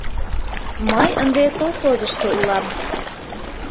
Мый ынде колхозышто улам.